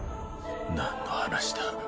何の話だ